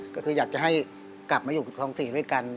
ก็คืออยากจะให้กลับมาอยู่คลอง๔ด้วยกัน